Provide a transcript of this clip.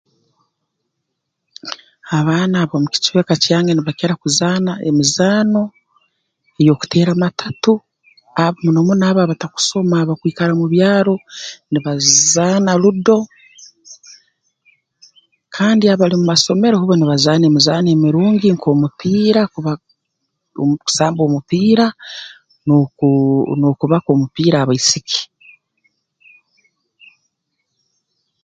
Abaana ab'omu kicweka kyange nibakira kuzaana emizaano ey'okuteera matatu ab munomuno abo abatakusoma abakwikara mu byaro nibazizaana ludo kandi abali mu masomero hubo nibazaana emizaano emirungi nk'omupiira kuba kusamba omupiira n'oku n'okubaka omupiira abaisiki